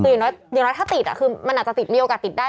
อย่างน้อยถ้าติดอะคือมันอาจจะติดมีโอกาสติดได้